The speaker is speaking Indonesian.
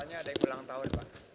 biasanya ada yang ulang tahun pak